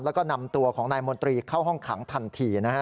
แล้วก็นำตัวของนายมนตรีเข้าห้องขังทันทีนะฮะ